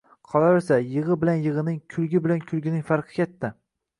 Qolaversa, yig‘i bilan yig‘ining, kulgi bilan kulgining farqi katta.